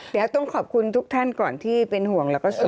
เดี๋ยวต้องขอบคุณทุกท่านก่อนที่เป็นห่วงแล้วก็สู้